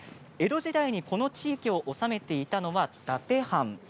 江戸時代この地域を治めていたのは、伊達藩。